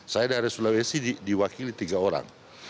saya dari sulawesi diwakili tiga orang